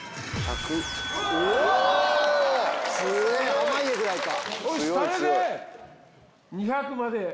濱家ぐらいか。